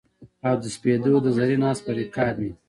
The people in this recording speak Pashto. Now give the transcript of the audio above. او د سپېدو د زرین آس پر رکاب مې